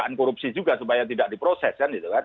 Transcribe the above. dugaan korupsi juga supaya tidak diproses kan gitu kan